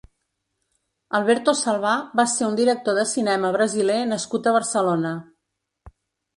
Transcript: Alberto Salvá va ser un director de cinema brasiler nascut a Barcelona.